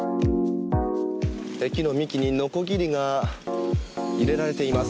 木の幹にのこぎりが入れられています。